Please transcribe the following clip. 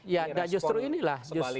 ya justru inilah